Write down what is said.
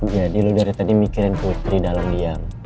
jadi lo dari tadi mikirin putri dalam diam